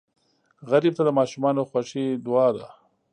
غریب ته د ماشومانو خوښي دعا ده